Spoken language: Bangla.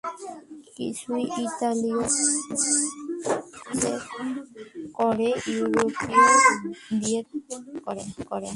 কিছু ইতালীয় জাহাজে করে ইউরোপের দিকে যাত্রা করে।